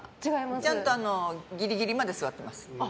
ちゃんとギリギリまで座ってます。